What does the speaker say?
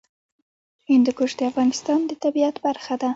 هندوکش د افغانستان د طبیعت برخه ده.